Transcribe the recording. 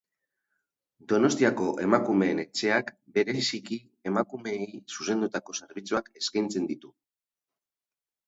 Donostiako Emakumeen Etxeak bereiziki emakumeei zuzendutako zerbitzuak eskaintzen ditu.